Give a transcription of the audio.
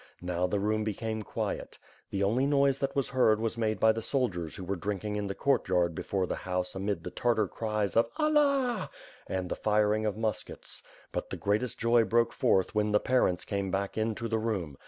Now the room became quiet. The only noise that was heard was made by the soldiers who were drinking in the courtyard before the house amid the Tartar cries of "Allah,'* and the firing of muskets. But the greatest joy broke forth when the parents came back into the room.